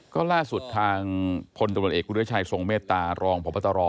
ก็ล่าสุดทางพลตำรวจเอกวิทยาชัยทรงเมตตารองพบตร